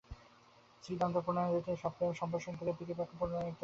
শ্রীদত্ত প্রণয়িনীকে সপ্রেম সম্ভাষণ করিয়া প্রীতিবাক্য প্রয়োগ করিতে লাগিল।